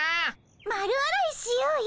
丸洗いしようよ。